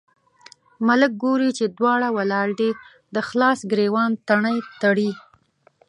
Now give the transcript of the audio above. ملک ګوري چې دواړه ولاړ دي، د خلاص ګرېوان تڼۍ تړي.